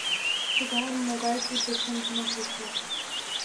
Тугайым, могай тудо чынжымак лийшаш.